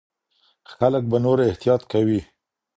خلک به نور احتیاط کوي.